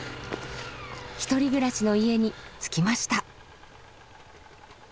一人暮らしの家に着きました。